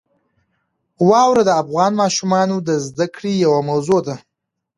واوره د افغان ماشومانو د زده کړې یوه موضوع ده.